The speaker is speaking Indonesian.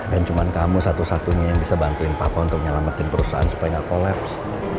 dan cuma kamu satu satunya yang bisa bantuin papa untuk menyelamatin perusahaan supaya gak kolaps